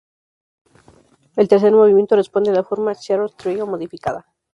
El tercer movimiento responde a la forma "Scherzo-Trío", modificada.